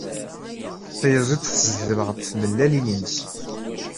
Tayaziḍt tezdel ɣef tmellalin-is.